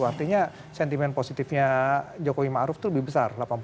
artinya sentimen positifnya jokowi ma'ruf itu lebih besar